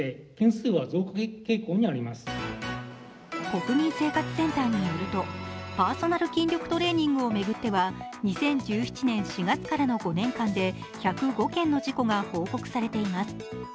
国民生活センターによると、パーソナル筋力トレーニングを巡っては２０１７年４月からの５年間で１０５件の事故が報告されています。